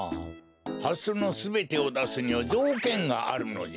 ハスのすべてをだすにはじょうけんがあるのじゃ。